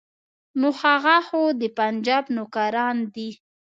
نو هغه خو د پنجاب نوکران دي.